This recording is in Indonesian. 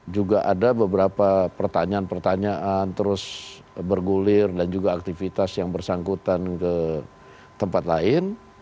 juga ada beberapa pertanyaan pertanyaan terus bergulir dan juga aktivitas yang bersangkutan ke tempat lain